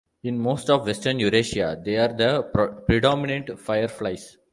In most of western Eurasia, they are the predominant fireflies.